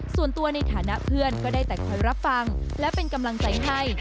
ส่วนตัวในฐานะเพื่อนก็ได้แต่คอยรับฟังและเป็นกำลังใจให้